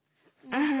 うん。